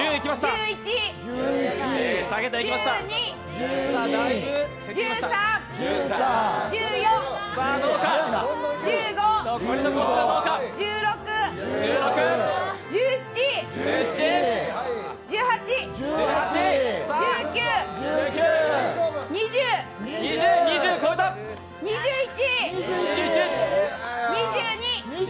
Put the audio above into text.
１１、１２、１３、１４、１５、１６、１７、１８１９、２０、２１、２２！